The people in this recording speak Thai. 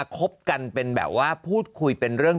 คบกันเป็นแบบว่าพูดคุยเป็นเรื่อง